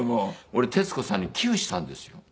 俺徹子さんに寄付したんですよ。